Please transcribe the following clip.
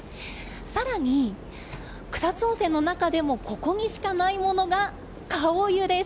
さらに草津温泉の中でもここにしかないのが顔湯です。